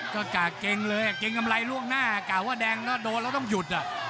ก็กากเกงเลยเกงกำไรล่วงหน้ากากว่าแดงถ้าโดดเราต้องหยุดอ่ะ